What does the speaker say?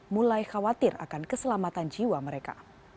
mulai khawatir akan keselamatan jiwa mereka